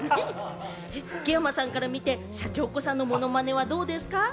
木山さんから見てシャチホコさんのものまねはどうですか？